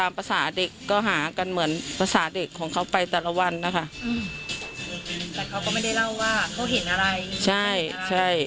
ว่าพี่เสดิ้งเรายังไงทำไมน้องถึงหาย